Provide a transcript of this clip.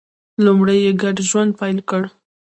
لومړی یې ګډ ژوند پیل کړ.